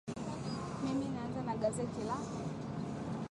mimi naanzia na gazeti la